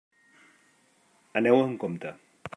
Aneu amb compte.